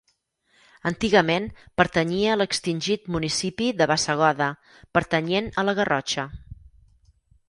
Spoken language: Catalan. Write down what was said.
Antigament pertanyia a l'extingit municipi de Bassegoda, pertanyent a la Garrotxa.